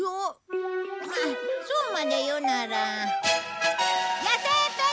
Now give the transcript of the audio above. まあそうまで言うなら。